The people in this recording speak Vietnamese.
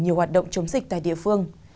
nhiều hoạt động chống dịch tại địa phương